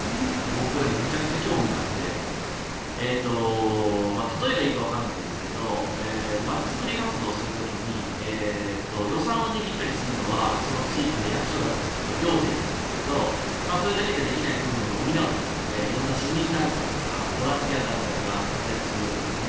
僕、これめちゃくちゃ興味があって例えがいいかわかりませんが街づくり活動する時に予算を握ったりするのはその地域の役所だったり行政なんですけどそれだけじゃできない部分を補うということで色んな市民団体とかボランティア団体が活躍するわけですね。